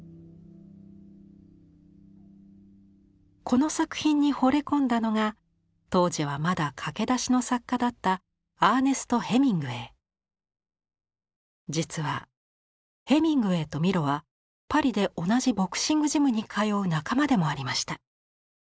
この作品にほれ込んだのが当時はまだ駆け出しの作家だった実はヘミングウェイとミロはパリで同じボクシングジムに通う仲間でもありました。